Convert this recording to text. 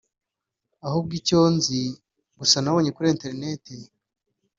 Ahubwo icyo nzi gusa nabonye kuri internet